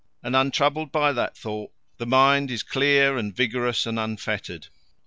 And, untroubled by that thought, the mind is clear and vigorous and unfettered.